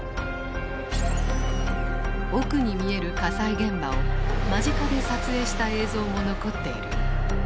奥に見える火災現場を間近で撮影した映像も残っている。